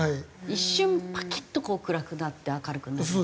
一瞬パキッとこう暗くなって明るくなって。